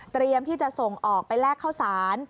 เตรียมที่จะส่งออกไปแลกข้าวสาร